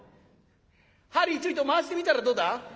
「針ちょいと回してみたらどうだ。